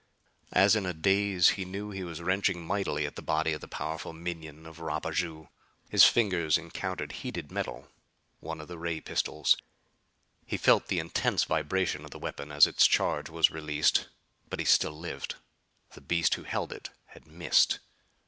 As in a daze he knew he was wrenching mightily at the body of the powerful minion of Rapaju. His fingers encountered heated metal one of the ray pistols. He felt the intense vibration of the weapon as its charge was released. But he still lived. The beast who held it had missed!